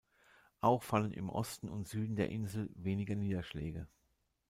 Auch fallen im Osten und Süden der Insel weniger Niederschläge.